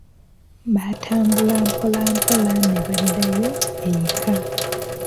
Baatambula mpolampola ne baddayo eka.